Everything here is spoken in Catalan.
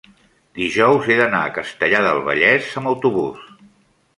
dijous he d'anar a Castellar del Vallès amb autobús.